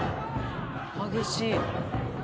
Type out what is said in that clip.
激しい。